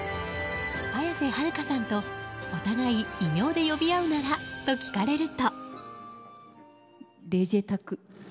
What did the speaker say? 綾瀬はるかさんと、お互い異名で呼び合うなら？と聞かれると。